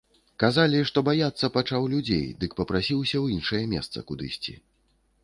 Казалі, што баяцца пачаў людзей, дык папрасіўся ў іншае месца кудысьці.